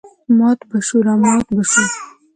مات به شوو رامات به شوو.